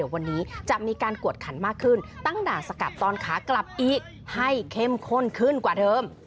วันนี้จะมีการกวดขันมากขึ้นตั้งด่านสกัดตอนขากลับอีกให้เข้มข้นขึ้นกว่าเดิม